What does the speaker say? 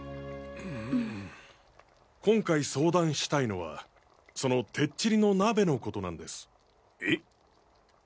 今回相談したいのはそのてっちりの鍋のことなんです。え？